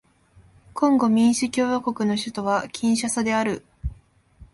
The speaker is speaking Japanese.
コンゴ民主共和国の首都はキンシャサである